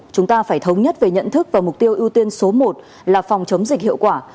chúng ta phải thống nhất về nhận thức và mục tiêu ưu tiên số một là phòng chống dịch hiệu quả